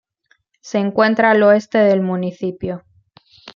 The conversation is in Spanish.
Se encuentra al oeste del municipio.